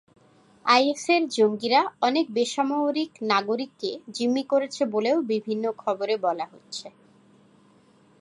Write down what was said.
আইএসের জঙ্গিরা অনেক বেসামরিক নাগরিককে জিম্মি করেছে বলেও বিভিন্ন খবরে বলা হচ্ছে।